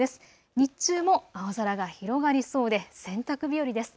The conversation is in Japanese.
日中も青空が広がりそうで洗濯日和です。